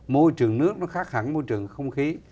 môi trường nước nó khác hẳn môi trường không khí